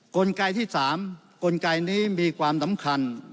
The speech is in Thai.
กลไกที่๓กลไกนี้มีความสำคัญ